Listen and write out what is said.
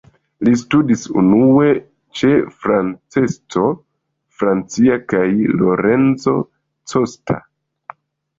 Li studis unue ĉe Francesco Francia kaj Lorenzo Costa.